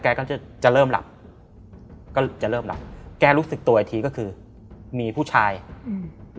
ก็จะจะเริ่มหลับก็จะเริ่มหลับแกรู้สึกตัวอีกทีก็คือมีผู้ชายอืม